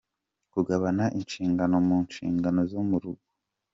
Kugabana inshingano mu nshingano zo mu rugo.